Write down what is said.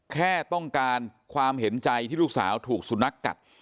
แค่ต้องการความเห็นใจที่ลูกสาวถูกสุนัขกัด